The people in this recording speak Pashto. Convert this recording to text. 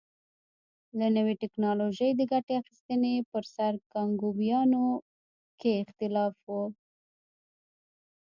له نوې ټکنالوژۍ د ګټې اخیستنې پر سر کانګویانو کې اختلاف و.